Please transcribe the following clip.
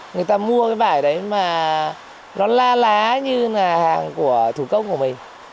người ta mua cái vải đấy mà nó la lá như là hàng của thủ công của mình